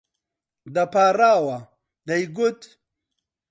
دەپاڕاوە، دەیگوت: